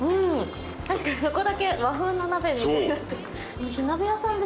確かにそこだけ和風の鍋みたいになってる。